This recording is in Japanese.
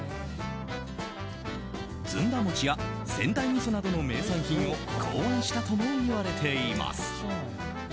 ずんだ餅や仙台みそなどの名産品を考案したともいわれています。